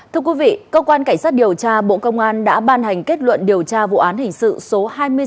thưa quý vị cơ quan cảnh sát điều tra bộ công an đã ban hành kết luận điều tra vụ án hình sự số hai mươi sáu